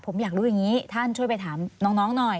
ผมอยากรู้อย่างนี้ท่านช่วยไปถามน้องหน่อย